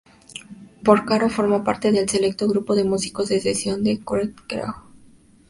Porcaro formó parte del selecto grupo de músicos de sesión The Wrecking Crew.